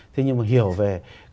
thế nhưng mà hiểu về